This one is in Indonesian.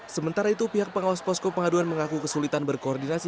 sementara itu pihak pengawas posko pengaduan mengaku kesulitan berkoordinasi